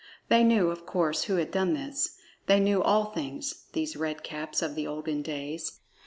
They knew, of course, who had done this. They knew all things these Red Caps of the olden days.